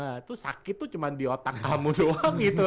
ah tuh sakit tuh cuman di otak kamu doang gitu